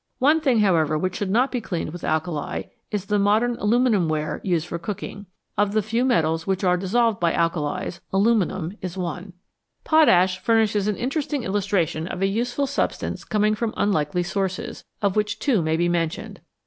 One thing, however, which should not be cleaned with alkali is the modern aluminium ware used for cooking. Of the few metals which are dissolved by alkalis, aluminium is one. ACIDS AND ALKALIS Potash furnishes an interesting illustration of a useful substance coming from unlikely sources, of which two may be mentioned.